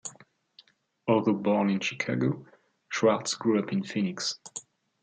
Although born in Chicago, Schwartz grew up in Phoenix.